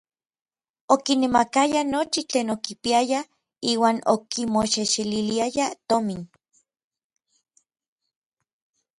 Okinemakayaj nochi tlen okipiayaj iuan okimoxexeliliayaj tomin.